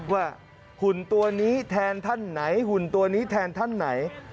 หุ่นตัวนี้แทนท่านไหนหุ่นตัวนี้แทนท่านไหน